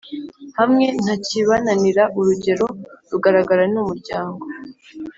hamwe nta kibananira”. Urugero rugaragara ni umuryango